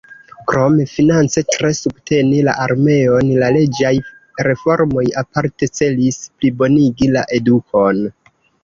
Krom finance tre subteni la armeon, la reĝaj reformoj aparte celis plibonigi la edukon.